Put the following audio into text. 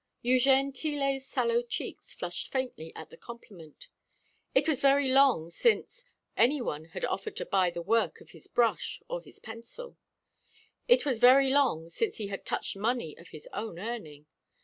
Eugène Tillet's sallow cheeks flushed faintly at the compliment. It was very long since any one had offered to buy the work of his brush or his pencil. It was very long since he had touched money of his own earning.